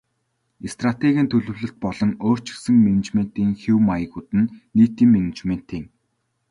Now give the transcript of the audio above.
Стратегийн төлөвлөлт болон өөрчилсөн менежментийн хэв маягууд нь нийтийн менежментийн хоёр салбарын нөлөөг тусгасан.